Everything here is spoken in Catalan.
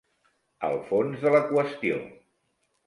El fons de la qüestió.